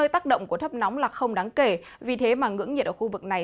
tác động của thấp nóng là không đáng kể vì thế mà ngưỡng nhiệt ở khu vực này